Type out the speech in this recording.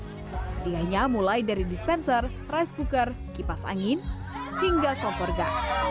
hadiahnya mulai dari dispenser rice cooker kipas angin hingga kompor gas